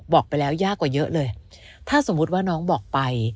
บอกไปแล้วยากกว่าเยอะเลยถ้าสมมุติว่าน้องบอกไป